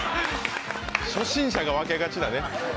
初心者が分けがちなね。